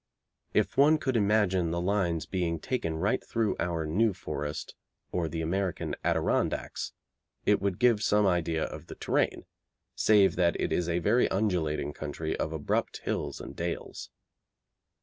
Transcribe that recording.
If one could imagine the lines being taken right through our New Forest or the American Adirondacks it would give some idea of the terrain, save that it is a very undulating country of abrupt hills and dales.